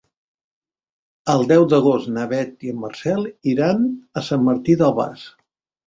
El deu d'agost na Beth i en Marcel iran a Sant Martí d'Albars.